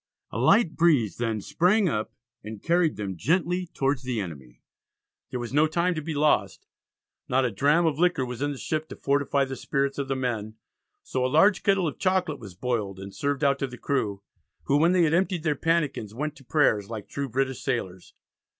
A light breeze then sprang up and carried them gently towards the enemy. There was no time to be lost; not a dram of liquor was in the ship to fortify the spirits of the men, so a large kettle of chocolate was boiled and served out to the crew, who when they had emptied their pannikins, went to prayers like true British sailors.